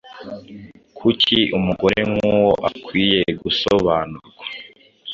Kuki umugore nkuwo akwiye gusobanurwa